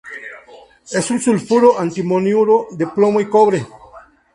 Es un sulfuro-antimoniuro de plomo y cobre.